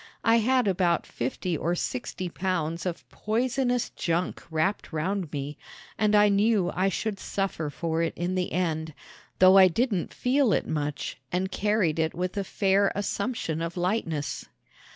I had about fifty or sixty pounds of poisonous junk wrapped round me, and I knew I should suffer for it in the end, though I didn't feel it much and carried it with a fair assumption of lightness.